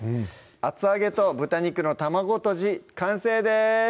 「厚揚げと豚肉の卵とじ」完成です